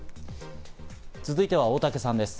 続いては大竹さんです。